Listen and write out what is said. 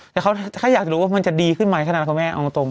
แต่เขาแค่อยากจะรู้ว่ามันจะดีขึ้นมาอย่างเท่านั้นครับแม่เอาตรง